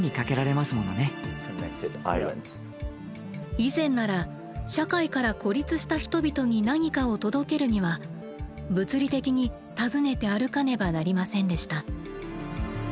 以前なら社会から孤立した人々に何かを届けるには物理的に訪ねて歩かねばなりませんでした。